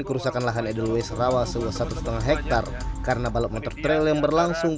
kerusakan lahan edelwe serawa sebesar setengah hektare karena balap motor trail yang berlangsung